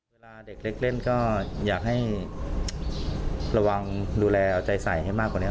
เวลาเด็กเล็กเล่นก็อยากให้ระวังดูแลเอาใจใส่ให้มากกว่านี้